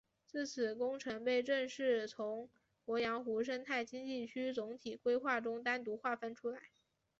自此工程被正式从鄱阳湖生态经济区总体规划中单独划分出来。